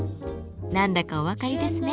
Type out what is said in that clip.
何だかお分かりですね。